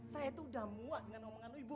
saya tuh udah muak dengan omongan ibu